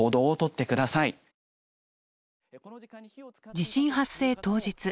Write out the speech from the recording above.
地震発生当日。